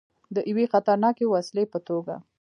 د یوې خطرناکې وسلې په توګه.